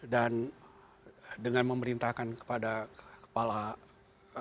dan dengan memerintahkan kepada kepala